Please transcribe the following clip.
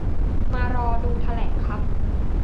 มารอดูแถลงครับ